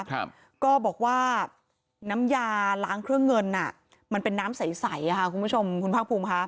ครับก็บอกว่าน้ำยาล้างเครื่องเงินอ่ะมันเป็นน้ำใสใสอ่ะค่ะคุณผู้ชมคุณภาคภูมิค่ะ